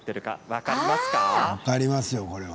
分かりますよ。